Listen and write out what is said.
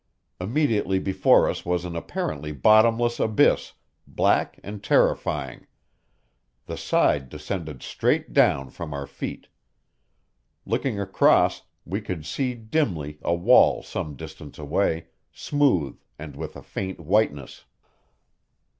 Immediately before us was an apparently bottomless abyss, black and terrifying; the side descended straight down from our feet. Looking across we could see dimly a wall some distance away, smooth and with a faint whiteness.